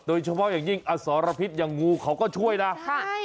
โดยเฉพาะอย่างยิ่งอสรพิษอย่างงูเขาก็ช่วยนะใช่